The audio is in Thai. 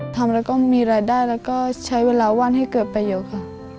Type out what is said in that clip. ทำแล้วก็มีรายได้แล้วก็ใช้เวลาวันให้เกิดไปอยู่ค่ะ